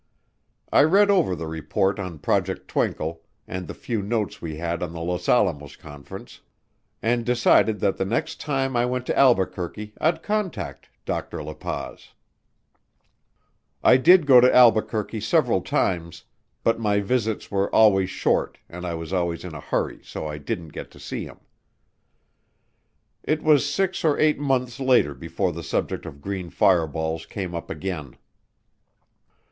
I read over the report on Project Twinkle and the few notes we had on the Los Alamos Conference, and decided that the next time I went to Albuquerque I'd contact Dr. La Paz. I did go to Albuquerque several times but my visits were always short and I was always in a hurry so I didn't get to see him. It was six or eight months later before the subject of green fireballs came up again.